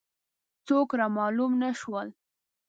څوک را معلوم نه شول.